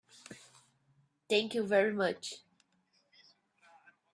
Thank you very much.